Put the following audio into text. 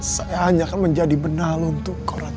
saya hanya akan menjadi benal untuk korat